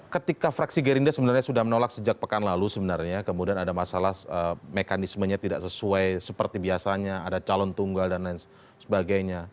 ketika fraksi gerindra sebenarnya sudah menolak sejak pekan lalu sebenarnya kemudian ada masalah mekanismenya tidak sesuai seperti biasanya ada calon tunggal dan lain sebagainya